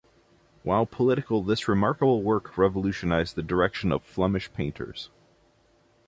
While political, this remarkable work revolutionized the direction of Flemish painters.